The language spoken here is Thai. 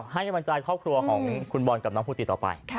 ให้กำลังใจครอบครัวของคุณบอลกับน้องภูติต่อไป